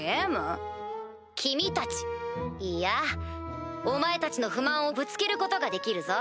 君たちいやお前たちの不満をぶつけることができるぞ。